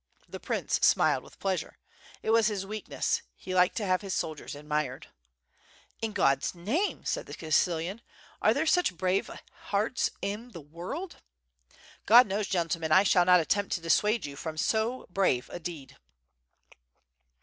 The prince smiled with pleasure. It was his weakness, he liked to have his soldiers admired. "In God's name," said the castellan, "are there s»ch brave hearts in the world? God knows, gentlemen, I shall not attempt to dissuade you from 90 brave a deed."